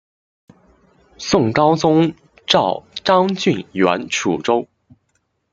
宋高宗诏张俊援楚州。